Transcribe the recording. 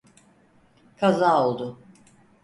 Kaza oldu.